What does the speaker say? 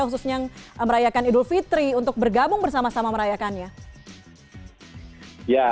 khususnya merayakan idul fitri untuk bergabung bersama sama merayakannya